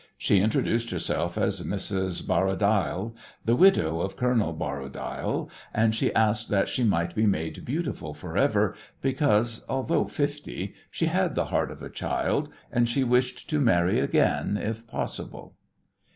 She introduced herself as Mrs. Borradaile, the widow of Colonel Borradaile, and she asked that she might be made beautiful for ever, because, although fifty, she had the heart of a child, and she wished to marry again, if possible.